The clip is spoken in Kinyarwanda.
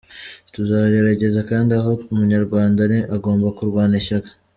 Tuzagerageza kandi aho Umunyarwanda ari agomba kurwana ishyaka.